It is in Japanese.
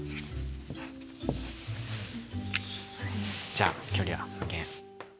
じゃあ距離は無限。